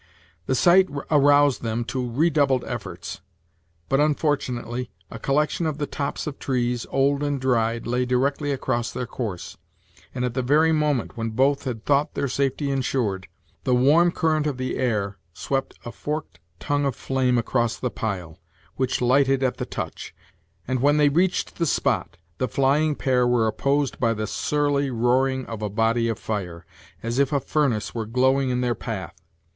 The sight aroused them to redoubled efforts; but, unfortunately, a collection of the tops of trees, old and dried, lay directly across their course; and at the very moment when both had thought their safety insured, the warm current of the air swept a forked tongue of flame across the pile, which lighted at the touch; and when they reached the spot, the flying pair were opposed by the surly roaring of a body of fire, as if a furnace were glowing in their path.